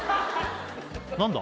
何だ？